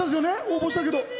応募したけど。